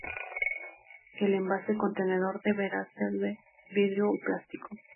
El envase contenedor deberá ser de vidrio o plástico.